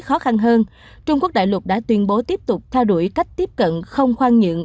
khó khăn hơn trung quốc đại lục đã tuyên bố tiếp tục theo đuổi cách tiếp cận không khoan nhượng